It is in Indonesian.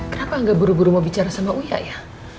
kenapa nggak buru buru mau bicara sama uya ya